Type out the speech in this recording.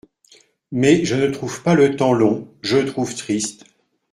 Mais je ne trouve pas le temps long, je le trouve triste.